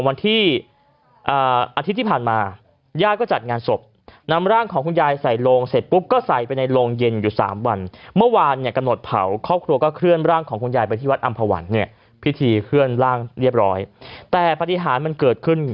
วัดอำภวรรณเนี่ยพิธีเคลื่อนร่างเรียบร้อยแต่ปฏิหารมันเกิดขึ้น